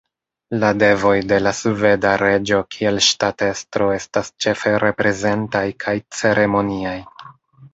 La devoj de la sveda reĝo kiel ŝtatestro estas ĉefe reprezentaj kaj ceremoniaj.